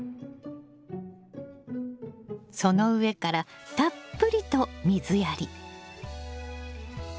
その上からたっぷりと水やり。